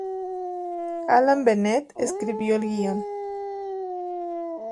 Alan Bennett escribió el guion.